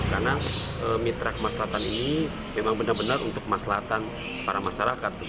karena mitra kemaslahan ini memang benar benar untuk kemaslahan para masyarakat